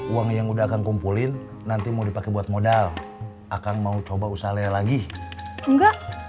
uang yang udah akan kumpulin nanti mau dipakai buat modal akan mau coba usahanya lagi enggak